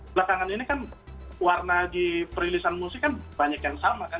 belakangan ini kan warna di perilisan musik kan banyak yang sama kan